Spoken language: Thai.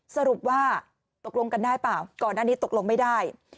สรุปว่าตกลงกันได้เปล่าก่อนหน้านี้ตกลงไม่ได้